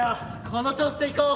この調子でいこう。